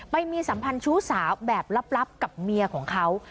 ไปมีสัมพันธ์ชู้สาวแบบลับกับเมียของเขา